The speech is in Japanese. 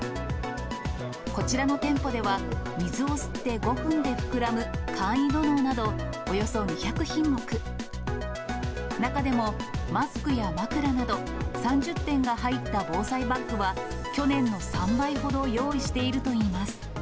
こちらの店舗では、水を吸って５分で膨らむ簡易土のうなど、およそ２００品目、中でもマスクや枕など、３０点が入った防災バッグは、去年の３倍ほど用意しているとい